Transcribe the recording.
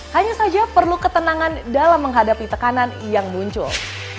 hanya saja perlu ketenangan dalam menghadapi tekanan yang muncul